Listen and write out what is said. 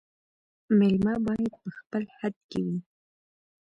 مېلمه باید په خپل حد کي وي